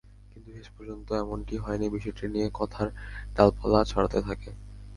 কিন্তু শেষ পর্যন্ত এমনটি হয়নি, বিষয়টি নিয়ে কথার ডালপালা ছড়াতে থাকে।